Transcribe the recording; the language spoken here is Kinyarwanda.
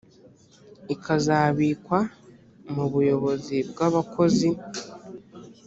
ikazabikwa mu buyobozi bw abakozi